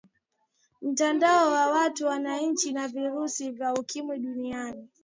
mtandao wa watu wanaoishi na virusi vya ukimwi duniani